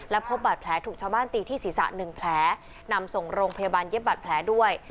พบบาดแผลถูกชาวบ้านตีที่ศีรษะหนึ่งแผลนำส่งโรงพยาบาลเย็บบาดแผลด้วย